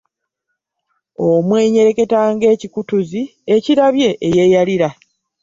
Omwenyereketa ng'ekikutuzi ekirabye eyeeyarira.